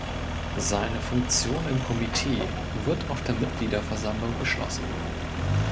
Seine Funktion im Komitee wird auf der Mitgliederversammlung beschlossen.